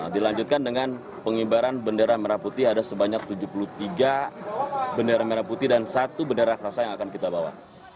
dilanjutkan dengan pengibaran bendera merah putih ada sebanyak tujuh puluh tiga bendera merah putih dan satu bendera kerasa yang akan kita bawa